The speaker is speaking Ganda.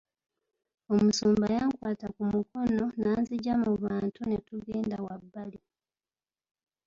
Omusumba yankwata ku mukono n'anzigya mu bantu ne tugenda wabbali.